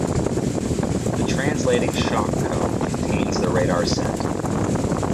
The translating shock cone contains the radar set.